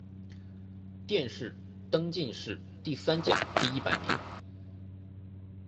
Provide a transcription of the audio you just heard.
殿试登进士第三甲第一百名。